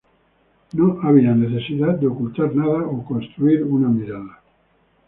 No había necesidad de ocultar nada o construir una mirada.